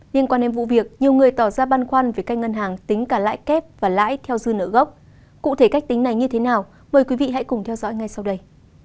liên quan đến vụ việc nhiều người tỏ ra băn khoăn về các ngân hàng tính cả lãi kép và lãi theo dư nợ gốc cụ thể cách tính này như thế nào mời quý vị hãy cùng theo dõi ngay sau đây